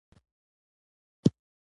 پوهنتون د ټولنې خدمت لپاره زدهکړې برابروي.